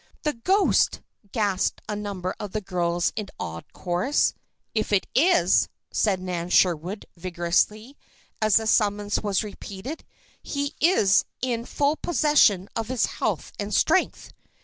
"The ghost!" gasped a number of the girls in awed chorus. "If it is," said Nan Sherwood, vigorously, as the summons was repeated, "he is in full possession of his health and strength."